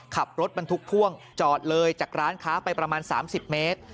ขับรถบรรทุกพ่วงจอดเลยจากร้านค้าไปประมาณ๓๐เมตร